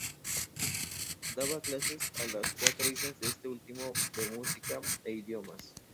Daba clases a las cuatro hijas de este último de música e idiomas.